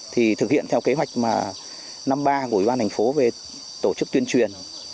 thì thực hiện theo kế hoạch mà năm mươi ba của ủy ban thành phố về tổ chức tuyên truyền